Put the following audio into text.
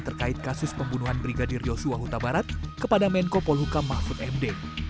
terkait kasus pembunuhan brigadir yosua huta barat kepada menko polhukam mahfud md